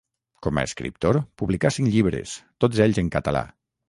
Com a escriptor, publicà cinc llibres, tots ells en català.